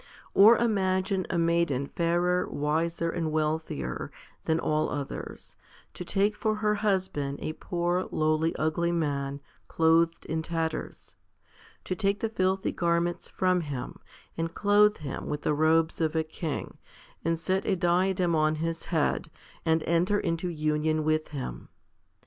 Or imagine a maiden fairer, wiser, and wealthier than all others, to take for her husband a poor, lowly, ugly man, clothed in tatters; to take the filthy garments from him, and clothe him with the robes of a king, and set a diadem on his head, and enter into union with him.